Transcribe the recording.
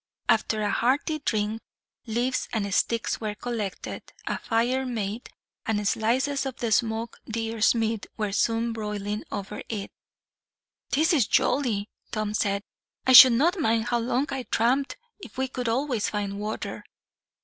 After a hearty drink, leaves and sticks were collected, a fire made, and slices of the smoked deer's meat were soon broiling over it. "This is jolly," Tom said. "I should not mind how long I tramped, if we could always find water."